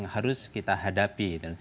harus kita hadapi